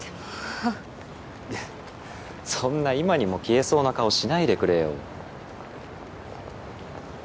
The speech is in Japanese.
ふっそんな今にも消えそうな顔しないでくれよ。